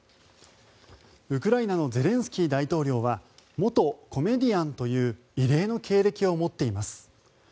ウクライナのゼレンスキー大統領は元コメディアンという異例の経歴を持っています。